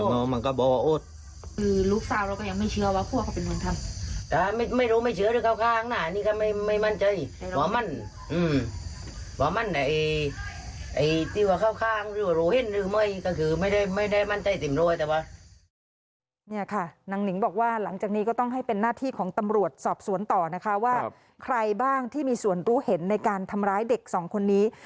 นี่ค่ะนางหนิงบอกว่าหลังจากนี้ก็ต้องให้เป็นหน้าที่ของตำรวจสอบสวนต่อนะคะว่าใครบ้างที่มีส่วนรู้เห็นในการทำร้ายเด็กสองคนนี้